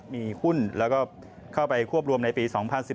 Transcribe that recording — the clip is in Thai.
มีหุ้นแล้วก็เข้าไปควบรวมในปี๒๐๑๙